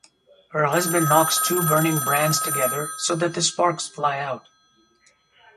Her husband knocks two burning brands together so that the sparks fly out.